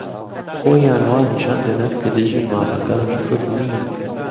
خۆیان وا نیشان دەدەن كە دژی مافەكانی كورد نین